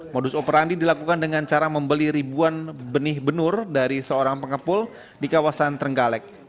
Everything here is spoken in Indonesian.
modus operandi dilakukan dengan cara membeli ribuan benih benur dari seorang pengepul di kawasan trenggalek